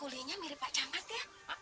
kulinya mirip pak cangkat ya